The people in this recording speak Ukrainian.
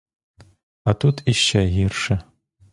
А тут іще гірше.